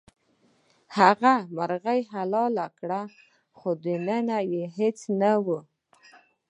هغه مرغۍ حلاله کړه خو دننه هیڅ نه وو.